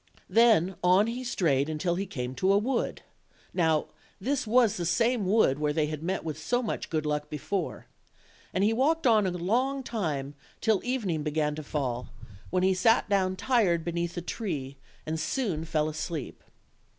Then on he strayed till he came to a wood (now this was the same wood where they had met with so much good luck be fore); and he walked on a long time till evening began to fall, when he sat down tired beneath a tree, and soon fell asleep.